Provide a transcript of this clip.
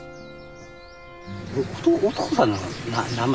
お父さんの名前？